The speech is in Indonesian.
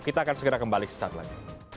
kita akan segera kembali sesaat lagi